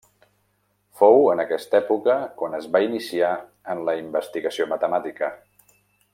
Fou en aquesta època quan es va iniciar en la investigació matemàtica.